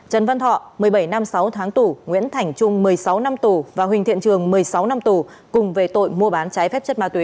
trần văn thọ một mươi bảy năm sáu tháng tù nguyễn thành trung một mươi sáu năm tù và huỳnh thiện trường một mươi sáu năm tù cùng về tội mua bán trái phép chất ma túy